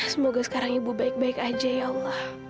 semoga sekarang ibu baik baik aja ya allah